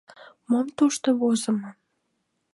Мом тушто возымо?